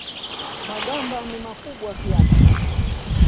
Magamba ni makubwa kiasi.